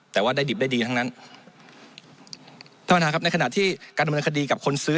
แต่ว่าได้ดิบได้ดีทั้งนั้นท่านพนักครับในขณะที่การบรรคดีกับคนซื้อ